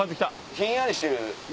ひんやりしてる。